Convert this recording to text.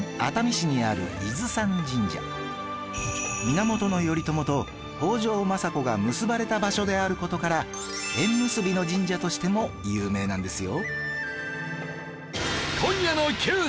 源頼朝と北条政子が結ばれた場所である事から縁結びの神社としても有名なんですよ